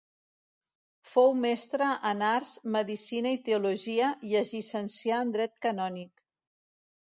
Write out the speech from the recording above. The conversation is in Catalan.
Fou mestre en arts, medicina i teologia, i es llicencià en dret canònic.